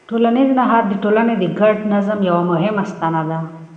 ټولنیز نهاد د ټولنې د ګډ نظم یوه مهمه ستنه ده.